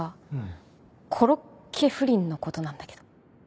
コロッケ不倫の事なんだけど。